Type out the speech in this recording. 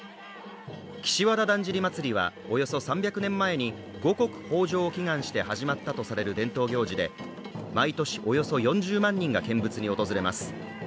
岸和田だんじり祭は、およそ３００年前に五穀豊穣を祈願して始まったとされる伝統行事で、毎年およそ４０万人が見物に訪れます。